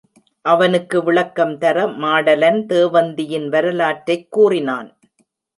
அவனுக்கு விளக்கம் தர மாடலன் தேவந்தியின் வரலாற்றைக் கூறினான்.